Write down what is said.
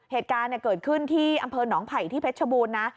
เหตุการณ์เกิดขึ้นที่อำเภอหนองไผ่ที่เพชรชบูรณ์นะ